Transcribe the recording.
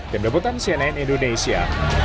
tim lebutan cnn indonesia